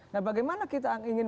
nah bagaimana kita ingin